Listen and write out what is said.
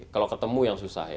kalau ketemu yang susah ya